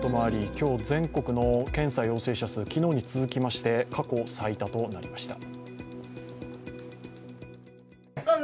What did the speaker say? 今日、全国の検査陽性者数、昨日に続きまして過去最多となりました。